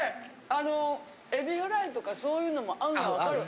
あのエビフライとかそういうのも合うのわかる。